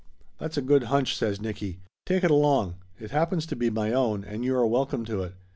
"That's a good hunch," says Nicky. "Take it along. It happens to be my own, and you are welcome to it."